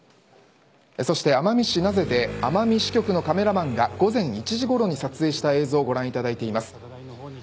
そして奄美市名瀬で奄美支局のカメラマンが午前１時ごろに撮影した映像をご覧いただきます。